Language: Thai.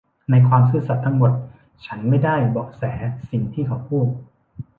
ในความซื่อสัตย์ทั้งหมดฉันไม่ได้เบาะแสสิ่งที่เขาพูด